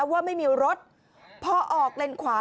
ว่าไม่มีรถพอออกเลนขวา